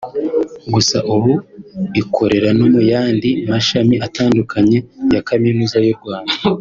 Gusa ubu ikorera no mu yandi mashami atandukanye ya Kaminuza y’u Rwanda